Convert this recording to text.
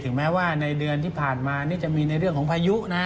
แม้ว่าในเดือนที่ผ่านมานี่จะมีในเรื่องของพายุนะ